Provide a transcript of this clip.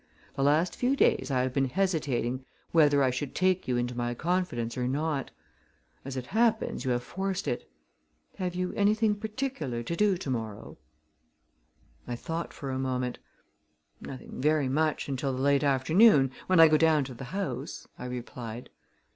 The last few days I have been hesitating whether I should take you into my confidence or not. As it happens you have forced it. Have you anything particular to do to morrow?" I thought for a moment. "Nothing very much until the late afternoon, when I go down to the House," I replied.